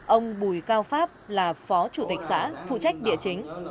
ông bùi cao pháp là phó chủ tịch xã phụ trách địa chính